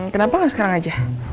kenapa gak sekarang aja